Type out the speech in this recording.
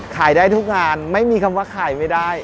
ขายได้ทุกงานไม่มีคำว่าขายไม่ได้